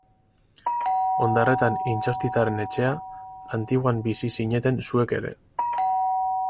Ondarretan Intxaustitarren etxea, Antiguan bizi zineten zuek ere.